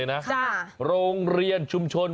เฮ้ยจริงหรอ